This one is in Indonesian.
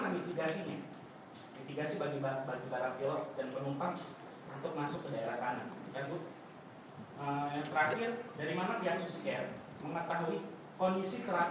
atau sudah berkomunikasi langsung dari pak prins afif ataupun pemerintah sombang